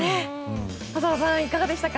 浅尾さん、いかがでしたか？